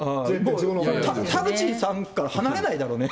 田口さんから離れないだろうね。